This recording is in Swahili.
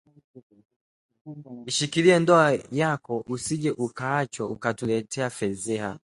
Ishikilie ndoa yako usije ukaachwa ukatuletea fedheha